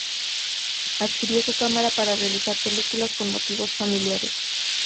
Adquirió su cámara para realizar películas con motivos familiares.